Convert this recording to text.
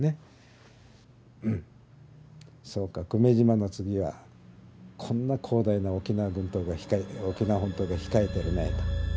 そうか久米島の次はこんな広大な沖縄本島が控えてるねと。